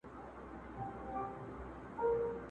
ستا د ساندو په دېوان کي له مُسکا څخه لار ورکه!٫.